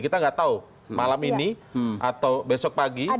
kita nggak tahu malam ini atau besok pagi